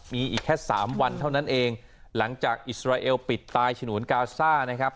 มีอีกแค่สามวันเท่านั้นเองหลังจากอิสราเอลปิดตายฉนวนกาซ่านะครับ